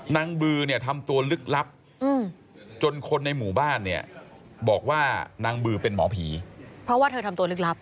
มือเนี่ยทำตัวลึกลับจนคนในหมู่บ้านเนี่ยบอกว่านางบือเป็นหมอผีเพราะว่าเธอทำตัวลึกลับ